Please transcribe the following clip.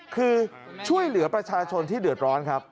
คือช่วยเหลือประชาชนที่เดือดร้อนครับ